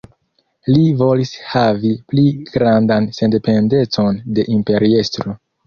Li volis havi pli grandan sendependecon de Imperiestro.